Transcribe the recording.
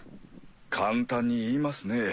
簡単に言いますね。